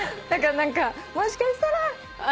だから何かもしかしたら。